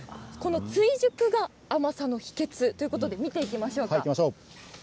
追熟が甘さの秘けつということで見ていきましょう。